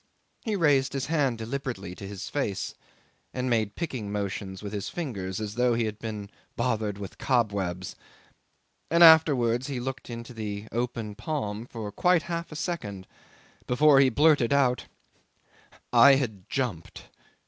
..." 'He raised his hand deliberately to his face, and made picking motions with his fingers as though he had been bothered with cobwebs, and afterwards he looked into the open palm for quite half a second before he blurted out '"I had jumped